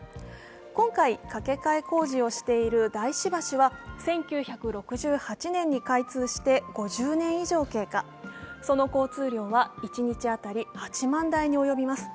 今回、架け替え工事をしている大師橋は１９６８年に開通して５０年以上通過、その交通量は一日当たり８万台に当たります。